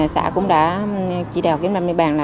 xã cũng đã chỉ đạo kiểm lâm địa bàn